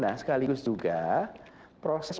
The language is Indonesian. nah sekaligus juga proses